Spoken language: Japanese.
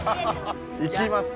いきますよ！